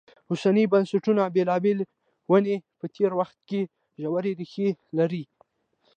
اوسنیو بنسټونو بېلابېلې ونې په تېر وخت کې ژورې ریښې لري.